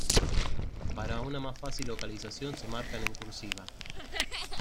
Para una más fácil localización, se marcan en cursiva.